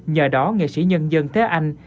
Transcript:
nhờ đó nghệ sĩ nhân dân thế anh